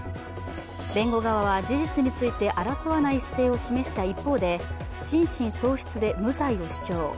弁護側は事実について争わない姿勢を示した一方で、心神喪失で無罪を主張。